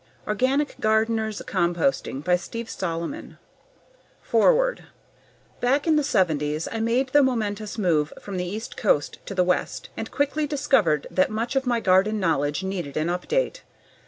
org Organic Gardener's Composting by Steve Solomon Foreword Back in the '70's, I made the momentous move from the East Coast to the West and quickly discovered that much of my garden knowledge needed an update.